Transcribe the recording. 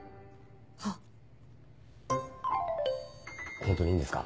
ホントにいいんですか？